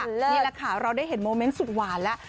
นี่แหละค่ะเราได้เห็นโมเมนต์สุดหวานแล้ว